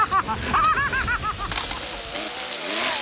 アハハハハ！